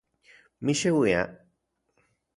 Mixeuia